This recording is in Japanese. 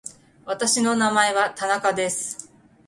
私の名前は田中です。